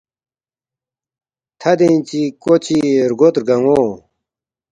تھدین چی کوڈ چی رگود رگانو